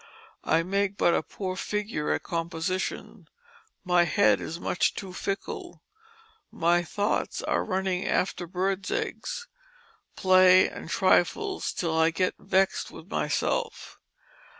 I make but a poor figure at composition, my head is much too fickle, my thoughts are running after bird's eggs, play, and trifles till I get vexed with myself.